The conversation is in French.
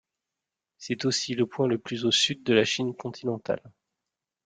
C'est aussi le point le plus au sud de la Chine continentale.